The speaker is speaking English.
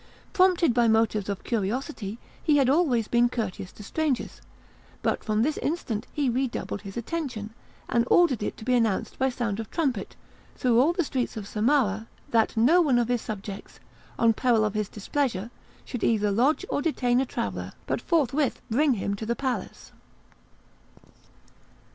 Prompted by motives of curiosity, he had always been courteous to strangers, but from this instant he redoubled his attention, and ordered it to be announced by sound of trumpet, through all the streets of Samarah, that no one of his subjects, on peril of displeasure, should either lodge or detain a traveller, but forthwith bring him to the palace.